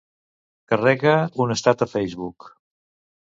Carrega un estat a Facebook.